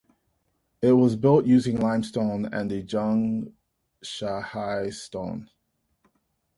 It was built using limestone and the Jung Shahi stone.